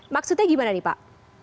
maksudnya gimana nih pak